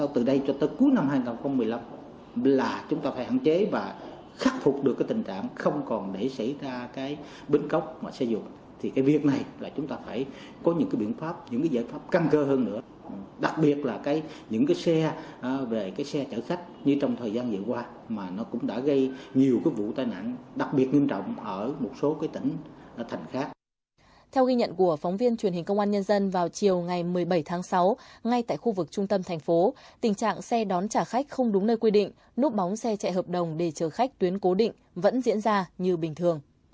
theo ghi nhận của phóng viên truyền hình công an nhân dân vào chiều ngày một mươi bảy tháng sáu ngay tại khu vực trung tâm thành phố tình trạng xe đón trả khách không đúng nơi quy định núp bóng xe chạy hợp đồng để chờ khách tuyến cố định vẫn diễn ra như bình thường